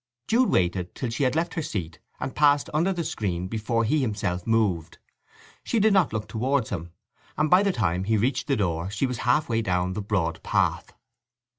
Jude waited till she had left her seat and passed under the screen before he himself moved. She did not look towards him, and by the time he reached the door she was half way down the broad path.